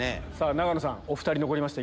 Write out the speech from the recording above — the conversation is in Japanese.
永野さんお２人残りました